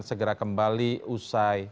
segera kembali usai